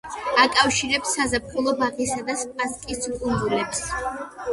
აკავშირებს საზაფხულო ბაღისა და სპასკის კუნძულებს.